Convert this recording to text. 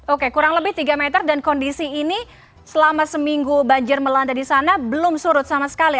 oke kurang lebih tiga meter dan kondisi ini selama seminggu banjir melanda di sana belum surut sama sekali